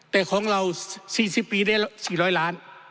แต่ของเรา๔๐ปีได้๔๐๐ล้าน